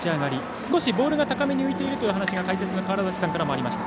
少しボールが高めに浮いているという話が解説の川原崎さんからもありました。